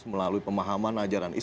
melalui pemahaman ajaran dan pendapat